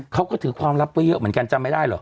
เขาก็ถือความลับไว้เยอะเหมือนกันจำไม่ได้เหรอ